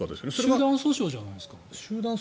集団訴訟じゃないですかね。